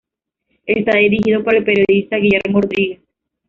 Está dirigido por el periodista Guillermo Rodríguez.